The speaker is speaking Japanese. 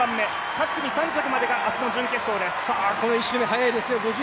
各組３着までが明日の準決勝です。